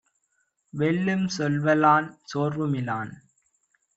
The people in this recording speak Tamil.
வெல்லுஞ் சொல்வலான், சோர்வு மிலான்